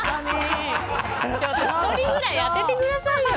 １人くらい当ててくださいよ。